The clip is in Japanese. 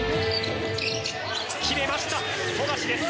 決めました、富樫です。